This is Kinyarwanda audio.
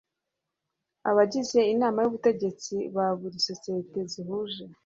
Abagize Inama y Ubutegetsi ba buri sosiyete zihuje